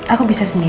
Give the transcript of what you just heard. aku bisa sendiri